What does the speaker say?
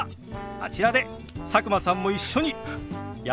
あちらで佐久間さんも一緒にやってみましょう！